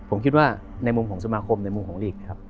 ผมคิดว่าในมุมของสมาคมในมุมของลีกนะครับ